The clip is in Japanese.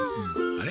あれ？